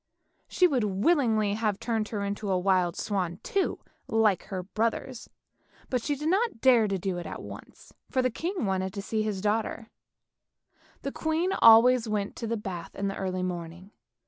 She would willingly have turned her into a wild swan too, like her brothers, but she did not dare to do it at once, for the king wanted to see his daughter. The queen always went to the bath in the early morning.